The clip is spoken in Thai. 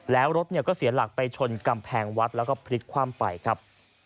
แล้วรถก็เสียหลักไปชนกำแพงวัดแล้วก็พลิกคว่ำไปครับ